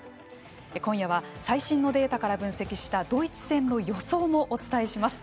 今夜は最新のデータから分析したドイツ戦の予想もお伝えします。